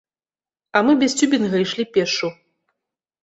А мы без цюбінга ішлі пешшу.